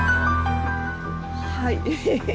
はい。